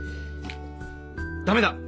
駄目だ。